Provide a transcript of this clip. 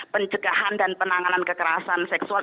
pencegahan dan penanganan kekerasan seksual